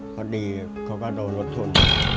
พอดีเขาก็โดนรถชน